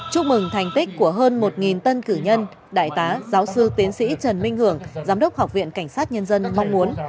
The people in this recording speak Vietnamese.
chúc mừng thành tích của hơn một tân cử nhân đại tá giáo sư tiến sĩ trần minh hưởng giám đốc học viện cảnh sát nhân dân mong muốn